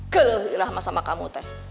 geluh irah sama kamu teh